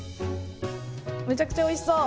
めちゃくちゃおいしそう。